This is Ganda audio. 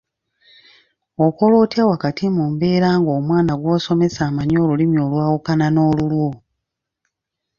Okola otya wakati mu mbeera ng’omwana gw’osomesa amanyi Olulimi olwawukana n’olulwo?